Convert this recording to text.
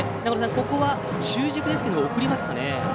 ここは、中軸ですが送りますかね。